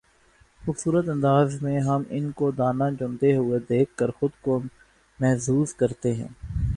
خوبصورت انداز میں ہم ان کو دانہ چنتے ہوئے دیکھ کر خود کو محظوظ کرتے ہیں